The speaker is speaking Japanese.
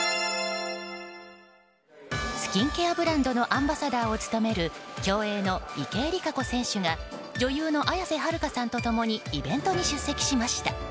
スキンケアブランドのアンバサダーを務める競泳の池江璃花子選手が女優の綾瀬はるかさんと共にイベントに出席しました。